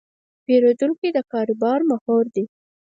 پیرودونکی د کاروبار محور دی.